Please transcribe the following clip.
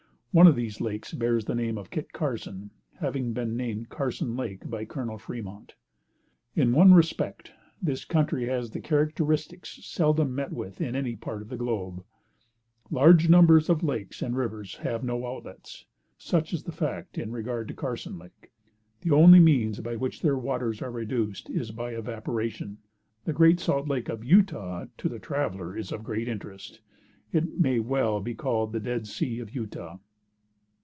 One of these lakes bears the name of Kit Carson, having been named Carson Lake by Colonel Fremont. In one respect this country has characteristics seldom met with in any part of the globe. Large numbers of the lakes and rivers have no outlets. Such is the fact in regard to Carson Lake. The only means by which their waters are reduced is by evaporation. The Great Salt Lake of Utah, to the traveler is of great interest. It may well be called the Dead Sea of Utah.